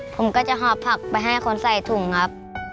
ผมก็จะหอบผักไปให้คนใส่ถุงครับ